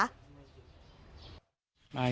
ท่านไว้ส่งชีวิตปกติ